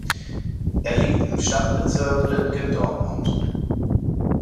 Er liegt im Stadtbezirk Lütgendortmund.